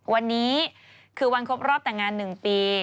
วันนี้คือวันครบรอบแต่งงาน๑ปี